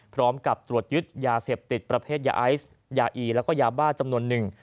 พร้อมกับตรวจยึดยาเสพติดประเภทยาไอซ์ยาอีแล้วก็ยาบ้าจำนวนหนึ่ง